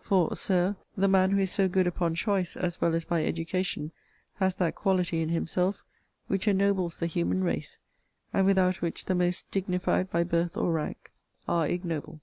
For, Sir, the man who is so good upon choice, as well as by education, has that quality in himself, which ennobles the human race, and without which the most dignified by birth or rank are ignoble.